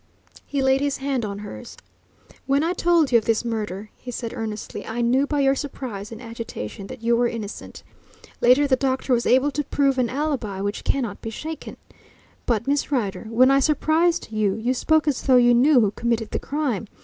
He laid his hand on hers. "When I told you of this murder," he said earnestly, "I knew by your surprise and agitation that you were innocent. Later the doctor was able to prove an alibi which cannot be shaken. But, Miss Rider, when I surprised you, you spoke as though you knew who committed the crime.